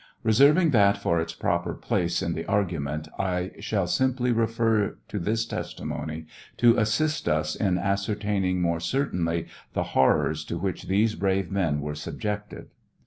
Reserving that for its proper place in the argument, I shall simply refer to this testimony to assist us in ascer taining more certainly the horrors to which these brave men were subjected.